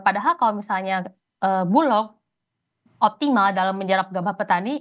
padahal kalau misalnya bulog optimal dalam menyerap gabah petani